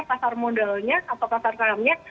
pasar modalnya atau pasar sahamnya